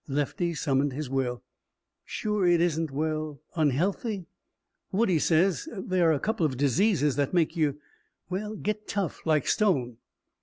Lefty summoned his will. "Sure it isn't well unhealthy. Woodie says there are a couple of diseases that make you well get tough like stone."